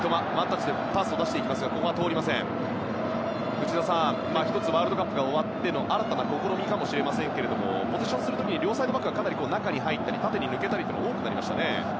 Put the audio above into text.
内田さん、１つワールドカップが終わっての新たな試みかもしれませんがポゼッションする時両サイドバックが中に入ったり縦に抜けたりというのが多くなりましたね。